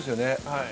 はい。